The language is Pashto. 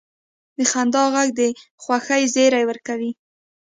د خندا ږغ د خوښۍ زیری ورکوي.